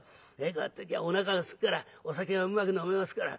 こうやっときゃおなかがすくからお酒がうまく飲めますから」。